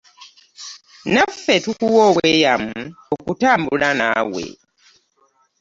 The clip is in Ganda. Naffe tukuwa obweyamu okutambula naawe.